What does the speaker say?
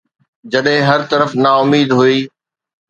جڏهن هر طرف نا اميد هئي.